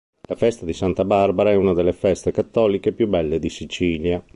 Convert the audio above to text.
La festa di Santa Barbara è una delle feste cattoliche più belle di Sicilia.